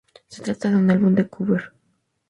Se trata de un álbum de cover.